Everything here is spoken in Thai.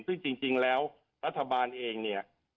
ซึ่งจริงแล้วรัฐบาลเองเนี่ย